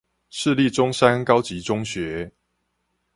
市立中山高級中學